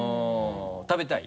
食べたい？